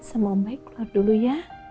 sama baik keluar dulu ya